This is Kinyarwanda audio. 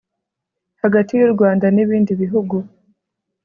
hagati y'u rwanda n'ibindi bihugu